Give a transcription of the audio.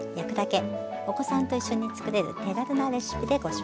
お子さんと一緒に作れる手軽なレシピでご紹介します。